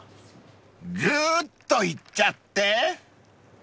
［ぐーっといっちゃって］